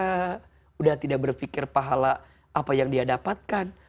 sudah tidak berpikir pahala apa yang dia dapatkan